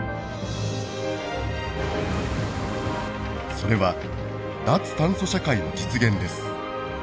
それは脱炭素社会の実現です。